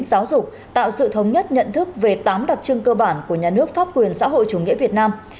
giáo dục tạo sự thống nhất nhận thức về tám đặc trưng cơ bản của nhà nước pháp quyền xã hội chủ nghĩa việt nam